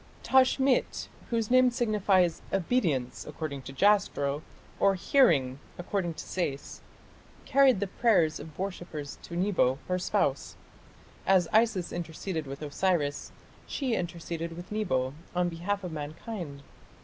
Tashmit, whose name signifies "Obedience", according to Jastrow, or "Hearing", according to Sayce, carried the prayers of worshippers to Nebo, her spouse. As Isis interceded with Osiris, she interceded with Nebo, on behalf of mankind.